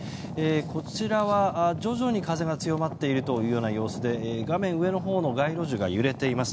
こちらは徐々に風が強まっているような様子で画面上のほうの街路樹が揺れています。